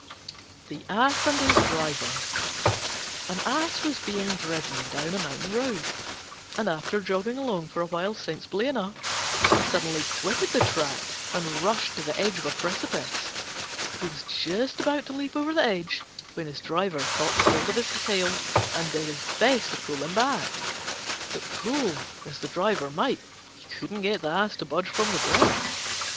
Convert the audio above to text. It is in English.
THE ASS AND HIS DRIVER An Ass was being driven down a mountain road, and after jogging along for a while sensibly enough he suddenly quitted the track and rushed to the edge of a precipice. He was just about to leap over the edge when his Driver caught hold of his tail and did his best to pull him back: but pull as he might he couldn't get the Ass to budge from the brink.